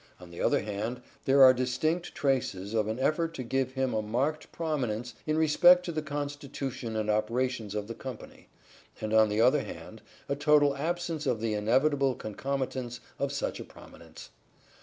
On the one hand there are distinct traces of an effort to give him a marked prominence in respect to the constitution and operations of the company, and on the other hand a total absence of the inevitable concomitants of such a prominence.